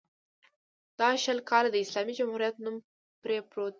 دا شل کاله د اسلامي جمهوریت نوم پرې پروت دی.